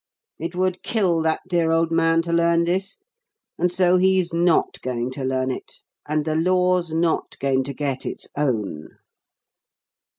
It would kill that dear old man to learn this; and so he's not going to learn it, and the law's not going to get its own."